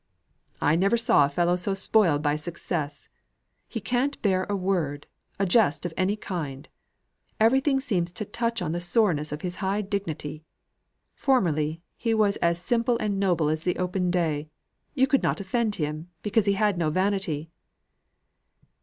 "I never saw a fellow so spoiled by success. He can't bear a word; a jest of any kind. Everything seems to touch on the soreness of his high dignity. Formerly, he was as simple and noble as the open day; you could not offend him, because he had no vanity."